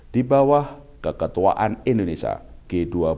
di bawah keketuaan indonesia g dua ribu dua puluh dua